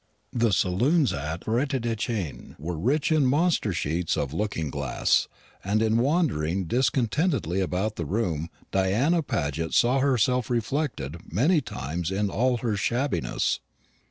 The saloons at Forêtdechêne were rich in monster sheets of looking glass; and in wandering discontentedly about the room Diana Paget saw herself reflected many times in all her shabbiness.